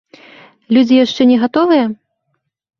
Людзі яшчэ не гатовыя?